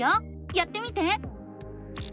やってみて！